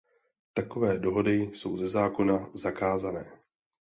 Takové dohody jsou ze zákona zakázané.